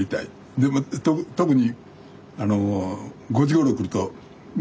で特に５時ごろ来るとね。